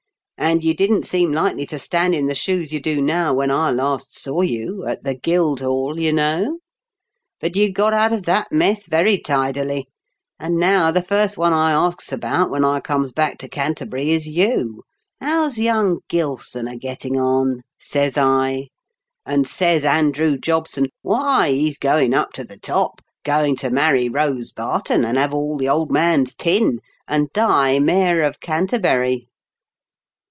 " And you didn't seem likely to stand in the shoes you do now when I last saw you — at the Guildhall, you know. But you got out of that mess very tidily ; and now, the first one I asks about when I comes back to Canterbury is 3'ou :* How's young Gilson a getting on V 186 m KENT WITH OH ABLE 8 DIOKENS. says I. And says Andrew Jobson, ^ Wliy^ he's going up to the top; going to marry Rose Barton, and have all the old man's tin, and die mayor of Canterbury.'